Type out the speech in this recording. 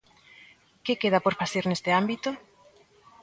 Que queda por facer neste ámbito?